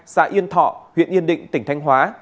xã yên thọ huyện yên định tỉnh thanh hóa